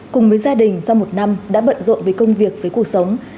cùng với gia đình sau một năm đã bận rộn với công việc với cuộc sống